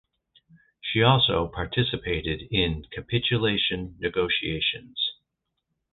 She also participated in capitulation negotiations.